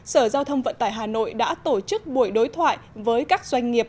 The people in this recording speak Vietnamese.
sở giao thông vận tải hà nội đã tổ chức buổi đối thoại với các doanh nghiệp